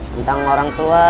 tentang orang tua